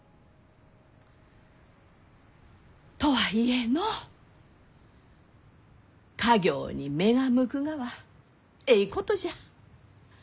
とはいえの家業に目が向くがはえいことじゃ。